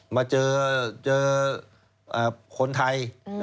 มาเจอคนไทย